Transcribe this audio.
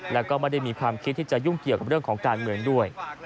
แล้วก็ไม่ได้มีความคิดที่จะยุ่งเกี่ยวกับเรื่องของการเมืองด้วย